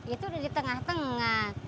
itu di tengah tengah